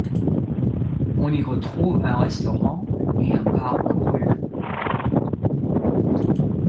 On y retrouve un restaurant et un bar courus.